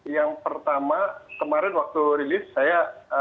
yang pertama kemarin waktu rilis saya